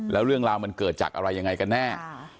แล้วเรื่องราวมันเกิดจากอะไรยังไงกันแน่